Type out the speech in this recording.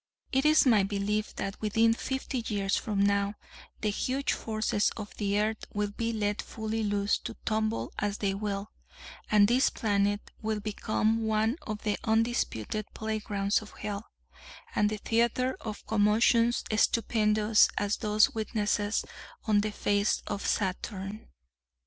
It is my belief that within fifty years from now the huge forces of the earth will be let fully loose to tumble as they will; and this planet will become one of the undisputed playgrounds of Hell, and the theatre of commotions stupendous as those witnessed on the face of Saturn.